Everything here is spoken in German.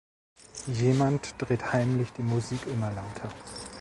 Jemand dreht heimlich die Musik immer lauter.